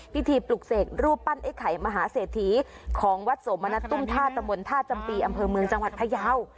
ปลุกเสกรูปปั้นไอ้ไข่มหาเศรษฐีของวัดสมณัตุ้มท่าตะมนต์ท่าจำปีอำเภอเมืองจังหวัดพยาว